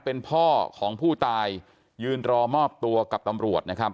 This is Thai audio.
เป็นพ่อของผู้ตายยืนรอมอบตัวกับตำรวจนะครับ